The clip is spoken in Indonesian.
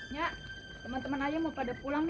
nyak teman teman ayo mau pada pulangnya